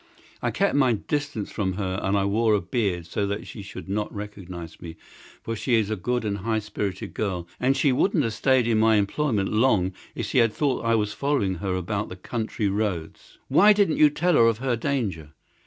I kept my distance from her, and I wore a beard so that she should not recognise me, for she is a good and high spirited girl, and she wouldn't have stayed in my employment long if she had thought that I was following her about the country roads." "Why didn't you tell her of her danger?"